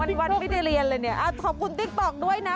วันวันไม่ได้เรียนเลยเนี่ยขอบคุณติ๊กต๊อกด้วยนะ